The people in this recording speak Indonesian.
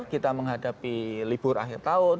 kita menghadapi libur akhir tahun